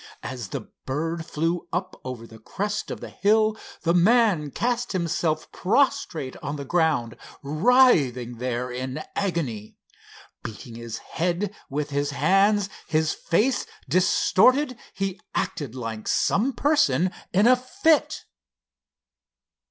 As the bird flew up over the crest of the hill, the man cast himself prostrate on the ground; writhing there in agony. Beating his head with his hands, his face distorted, he acted like some person in a fit.